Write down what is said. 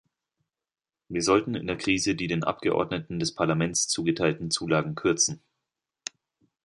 Wir sollten in der Krise die den Abgeordneten des Parlaments zugeteilten Zulagen kürzen.